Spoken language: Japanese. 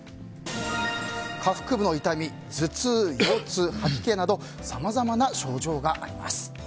下腹部の痛み頭痛、腰痛、吐き気などさまざまな症状があります。